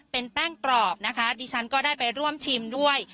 เป็นแป้งกรอบนะคะดิฉันก็ได้ไปร่วมชิมด้วย